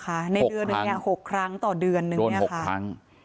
หกครั้งในเดือนหนึ่งเนี่ยหกครั้งต่อเดือนหนึ่งเนี่ยค่ะโดนหกครั้ง